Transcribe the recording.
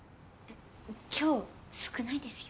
凶少ないですよ。